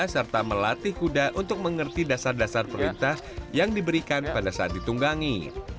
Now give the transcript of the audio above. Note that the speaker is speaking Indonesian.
serta melatih kuda untuk mengerti dasar dasar perintah yang diberikan pada saat ditunggangi